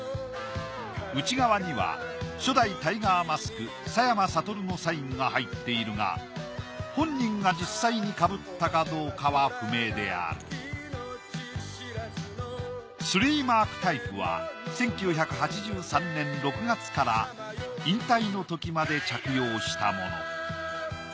内側には初代タイガーマスク佐山サトルのサインが入っているが本人が実際に被ったかどうかは不明であるマークタイプは１９８３年６月から引退のときまで着用したもの。